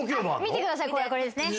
見てくださいこれですね。